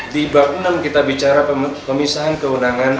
di bab enam kita bicara pemisahan keundangan